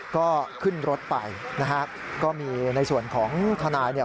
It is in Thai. ก็ขึ้นรถไปนะฮะก็มีในส่วนของทนายเนี่ย